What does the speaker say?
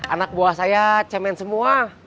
anak buah saya cemen semua